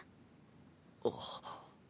あっ。